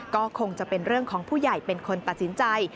ก็คงจะเป็นเรื่องของผู้ใหญ่เป็นคนตัดสินใจ